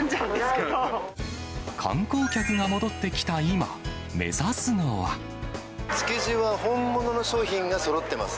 観光客が戻ってきた今、築地は本物の商品がそろってます。